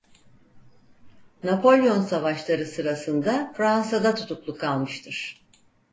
Napolyon Savaşları sırasında Fransa'da tutuklu kalmıştır.